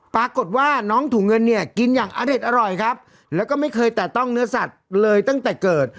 ปรากฏว่าน้องถุงเงินเนี่ยกินอย่างอเด็ดอร่อยครับแล้วก็ไม่เคยแตะต้องเนื้อสัตว์เลยตั้งแต่เกิด